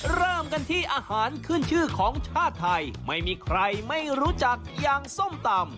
เริ่มกันที่อาหารขึ้นชื่อของชาติไทยไม่มีใครไม่รู้จักอย่างส้มตำ